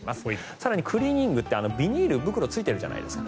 更に、クリーニングってビニール袋ついてるじゃないですか。